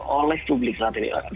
oleh publik saat ini